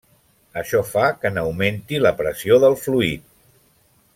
Això fa que n'augmenti la pressió del fluid.